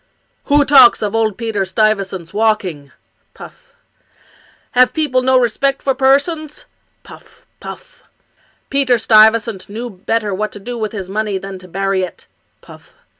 "Who talks of old Peter Stuyvesant's walking? (puff). Have people no respect for persons? (puff — puff). Peter Stuyvesant knew better what to do with his money than to bury it (puff).